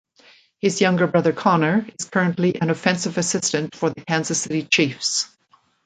His younger brother Connor is currently an offensive assistant for the Kansas City Chiefs.